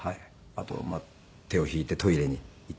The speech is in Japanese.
あとまあ手を引いてトイレに行ったり。